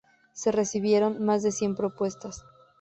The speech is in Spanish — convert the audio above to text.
Se recibieron más de cien propuestas.